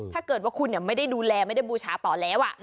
ถ้าเกิดว่าคุณไม่ได้ดูแลไม่ได้บูชาต่อแล้ว